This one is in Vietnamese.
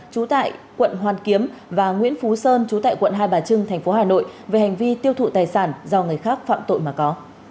trú tại quận hoàn kiếm và nguyễn phú sơn chú tại quận hai bà trưng tp hà nội về hành vi tiêu thụ tài sản do người khác phạm tội mà có